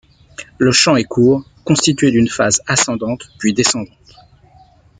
Le chant est court, constitué d'une phase ascendante puis descendante.